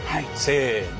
せの。